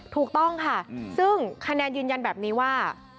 ถูกต้องค่ะซึ่งคะแนนยืนยันแบบนี้ว่า